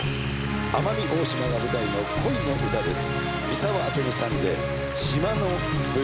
奄美大島が舞台の恋の歌です。